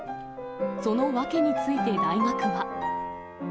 その訳について大学は。